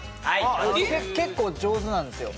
結構上手なんですよ